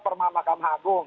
perma makam agung